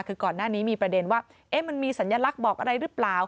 คือก่อนหน้านี้มีประเด็นว่ามันมีสัญลักษณ์บอกอะไรหรือเปล่า